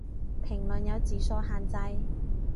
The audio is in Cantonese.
評論有字數限制